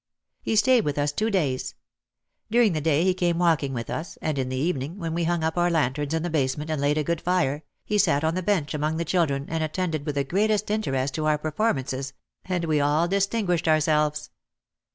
He stayed with us two days. During the day he came walking with us, and in the evening, when we hung up our lanterns in the basement and laid a good fire, he sat on the bench among the children and attended with the greatest interest to our performances, and we all dis tinguished ourselves.